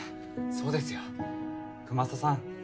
そうですよくまささん